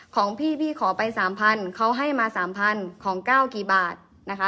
ของพี่พี่ขอไปสามพันเค้าให้มาสามพันของก้าวกี่บาทนะคะ